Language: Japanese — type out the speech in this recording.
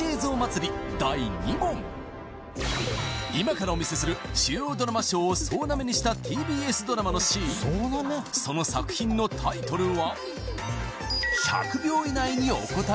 今からお見せする主要ドラマ賞を総なめにしたＴＢＳドラマのシーンその作品のタイトルは？